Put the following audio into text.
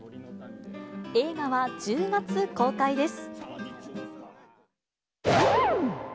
映画は１０月公開です。